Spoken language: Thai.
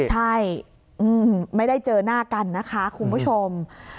ใช่ไม่ได้เจอหน้ากันนะคะคุณผู้ชม